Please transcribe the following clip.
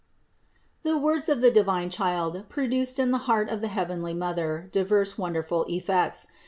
685. The words of the divine Child produced in the heart of the heavenly Mother diverse wonderful effects.